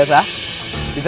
kenapa ada randy sih